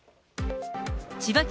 千葉県